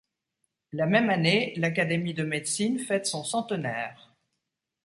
La même année, l'Académie de médecine fête son centenaire.